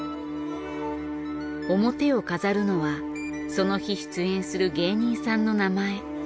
表を飾るのはその日出演する芸人さんの名前。